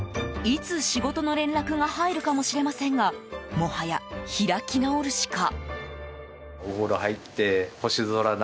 いつ仕事の連絡が入るかもしれませんがもはや、開き直るしか。